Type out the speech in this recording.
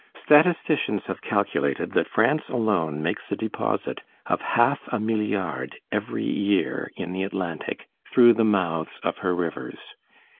Statisticians have calculated that France alone makes a deposit of half a milliard every year, in the Atlantic, through the mouths of her rivers.